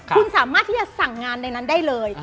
คุณสามารถที่จะสั่งงานในนั้นได้เลย